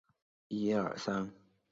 该党的政治立场是极左翼。